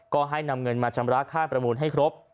ก็ให้นำเงินมาชำระค่าประมูลให้ครบ